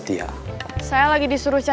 tadi di warung soto